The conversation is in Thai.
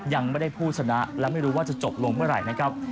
ยังไม่ได้ผู้ชนะและไม่รู้ว่าจะจบลงเมื่อไหร่นะครับ